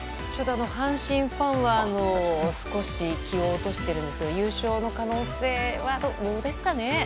阪神ファンは少し気を落としているんですが優勝の可能性はどうですかね？